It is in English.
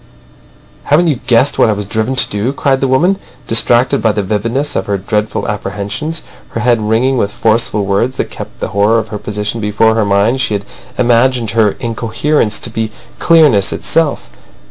"Haven't you guessed what I was driven to do!" cried the woman. Distracted by the vividness of her dreadful apprehensions, her head ringing with forceful words, that kept the horror of her position before her mind, she had imagined her incoherence to be clearness itself.